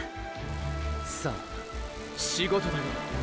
さあ仕事だよ。